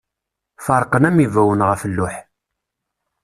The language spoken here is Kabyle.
Ferqen am ibawen ɣef luḥ.